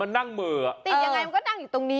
เอาแต่มาดูมุมนี้